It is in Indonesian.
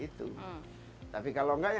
itu tapi kalau enggak ya